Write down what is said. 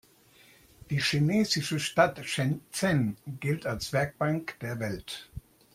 Die chinesische Stadt Shenzhen gilt als „Werkbank der Welt“.